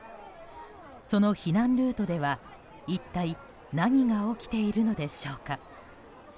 その避難ルートでは、一体何が起きているのでしょうか。